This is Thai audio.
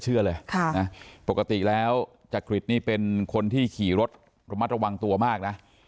เชื่อเลยปกติแล้วจักริตนี่เป็นคนที่ขี่รถระมัดระวังตัวมากนะ